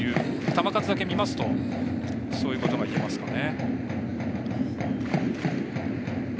球数だけ見ますとそういうことがいえますかね。